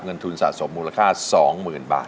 เงินทุนสะสมมูลค่า๒๐๐๐บาท